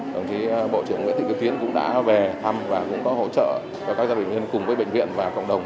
đồng chí bộ trưởng nguyễn thị kim tiến cũng đã về thăm và cũng có hỗ trợ cho các gia bệnh nhân cùng với bệnh viện và cộng đồng